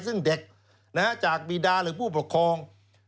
ซึ่งเด็กจากบีดาหรือผู้ปกครอง